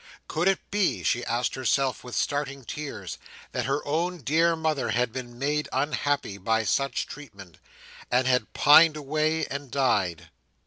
Could it be, she asked herself with starting tears, that her own dear mother had been made unhappy by such treatment, and had pined away and died?